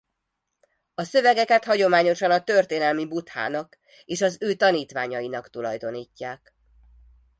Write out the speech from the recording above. A szövegeket hagyományosan a történelmi Buddhának és az ő tanítványainak tulajdonítják.